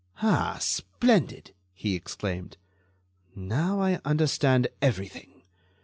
"Ah! splendid!" he exclaimed. "Now I understand everything.